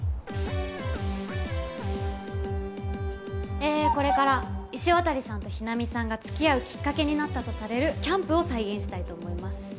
えこれから石渡さんと日菜美さんが付き合うきっかけになったとされるキャンプを再現したいと思います。